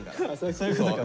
そういうことか。